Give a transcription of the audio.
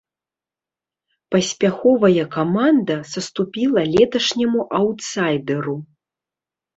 Паспяховая каманда саступіла леташняму аўтсайдэру.